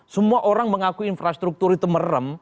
semua orang mengaku infrastruktur itu merem